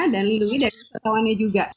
dan lindungi dari ketawanya juga